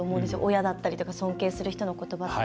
親だったりとか尊敬する人のことばって。